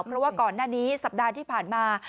เพราะว่าก่อนหน้านี้สัปดาห์ที่ผ่านมา